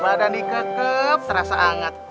pada nika kep terasa hangat